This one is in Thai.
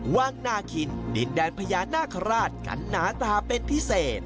ว่างหน้ากินดินแดนพระยานหน้าขระราชกันหนาตาเป็นพิเศษ